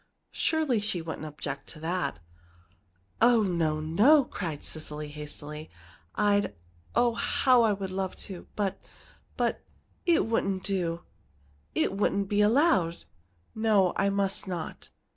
Surely she wouldn't object to that." "Oh, no, no!" cried Cecily, hastily. "I'd oh, how I'd love to, but but it wouldn't do, it wouldn't be allowed! No, I must not."